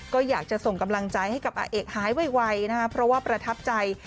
ก็อยากจะส่งกำลังใจให้กับอาเอกหายไวนะครับเพราะว่าประทับใจ